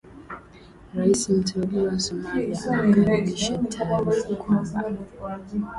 Rais mteule wa Somalia anakaribisha taarifa kwamba